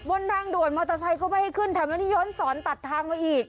บนทางด่วนมอเตอร์ไซค์ก็ไม่ให้ขึ้นแถมไม่ได้ย้อนสอนตัดทางมาอีก